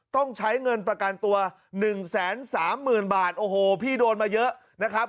ต้องใช้เงินประกันตัว๑๓๐๐๐บาทโอ้โหพี่โดนมาเยอะนะครับ